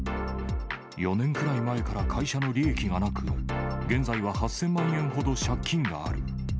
４年くらい前から会社の利益がなく、現在は８０００万円ほど借金がある。